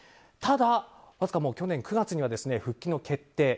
ただ、去年９月には復帰の決定。